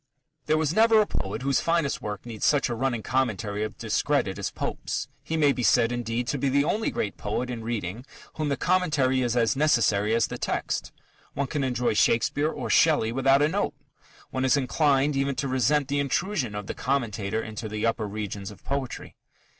_ There was never a poet whose finest work needs such a running commentary of discredit as Pope's. He may be said, indeed, to be the only great poet in reading whom the commentary is as necessary as the text. One can enjoy Shakespeare or Shelley without a note: one is inclined even to resent the intrusion of the commentator into the upper regions of poetry.